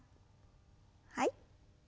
はい。